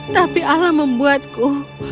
tapi allah membuatku